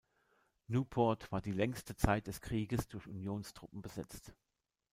Newport war die längste Zeit des Krieges durch Unionstruppen besetzt.